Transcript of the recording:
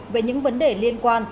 về những vấn đề liên quan